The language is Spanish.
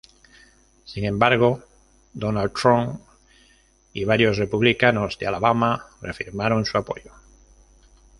Sin embargo, Donald Trump y varios republicanos de Alabama reafirmaron su apoyo.